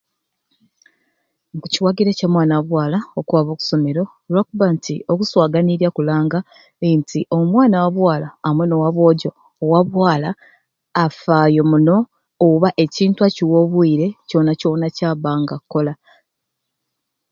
Nkukiwagira ekya mwana wabwala okwaba okusomera lwakuba nti okuswaganirya kulanga nti omwana wabwala amwei n'owabwojjo, owa bwala afaayo muno oba ekintu akiwa obwire kyona kyona kyaba nga akukola.